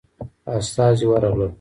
استازي ورغلل.